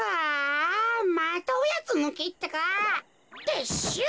てっしゅう。